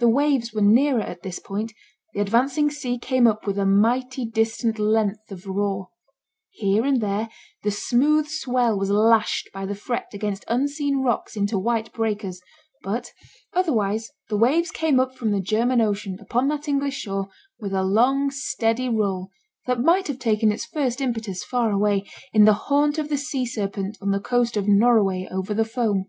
The waves were nearer at this point; the advancing sea came up with a mighty distant length of roar; here and there the smooth swell was lashed by the fret against unseen rocks into white breakers; but otherwise the waves came up from the German Ocean upon that English shore with a long steady roll that might have taken its first impetus far away, in the haunt of the sea serpent on the coast of 'Norroway over the foam.'